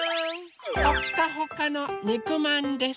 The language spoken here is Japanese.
ほっかほかのにくまんです！